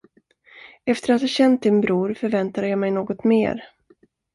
Efter att ha känt din bror förväntade jag mig något mer.